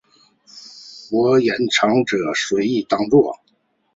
佛言长者随意当作。